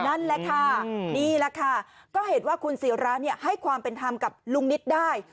นั่นแหละค่ะนี่แหละค่ะก็เห็นว่าคุณศิราให้ความเป็นธรรมกับลุงนิดได้